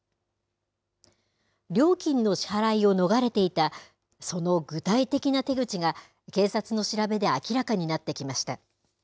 料金の支払いを逃れていたその具体的な手口が、警察の調べで明らかになってきました。